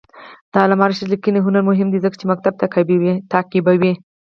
د علامه رشاد لیکنی هنر مهم دی ځکه چې مکتب تعقیبوي.